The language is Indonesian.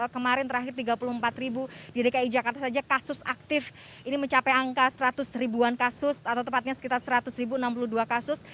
kemarin terakhir tiga puluh empat ribu di dki jakarta saja kasus aktif ini mencapai angka seratus ribuan kasus atau tepatnya sekitar seratus enam puluh dua kasus